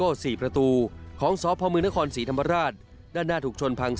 บ่อด้านหลังพบภรรยาของพันธมรวจเอกเทเวศ